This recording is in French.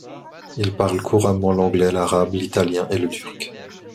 Il parle couramment l'anglais, l'arabe, l'italien et le turc.